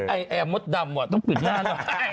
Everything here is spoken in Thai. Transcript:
ไอ้มดดำว่ะต้องปิดหน้าหน่อย